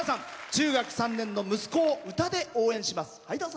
中学３年の息子を歌で応援します。